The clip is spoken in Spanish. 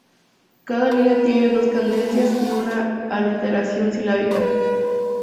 Cada línea tiene dos cadencias y una aliteración silábica.